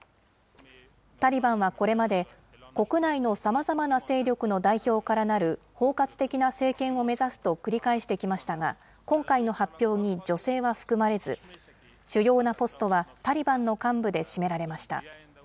タリバンはこれまで、国内のさまざまな勢力の代表からなる、包括的な政権を目指すと繰り返してきましたが、今回の発表に女性は含まれず、主要なポストは、タリバンの幹部で占められました。